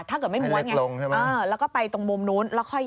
ถ้าเกิดไม่ม้วนไงเออแล้วก็ไปตรงมุมนู้นให้เล็กลงใช่ไหม